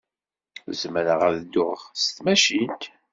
Zemreɣ ad dduɣ s tmacint.